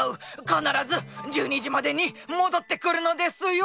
かならず１２じまでにもどってくるのですよ」